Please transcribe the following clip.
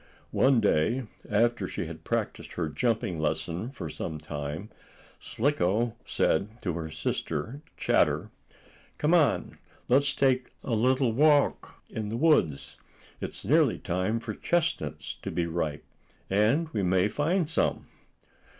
One day, after she had practiced her jumping lesson for some time, Slicko said to her sister, Chatter: "Come on, let's take a little walk in the woods. It is nearly time for chestnuts to be ripe, and we may find some."